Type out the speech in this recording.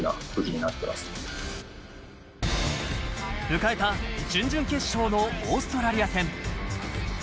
迎えた準々決勝のオーストラリア戦。